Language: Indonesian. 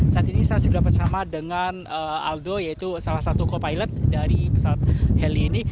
saat ini saya sudah bersama dengan aldo yaitu salah satu co pilot dari pesawat heli ini